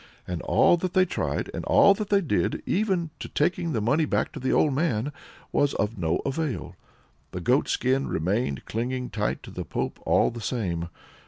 And all that they tried, and all that they did, even to taking the money back to the old man, was of no avail. The goatskin remained clinging tight to the pope all the same.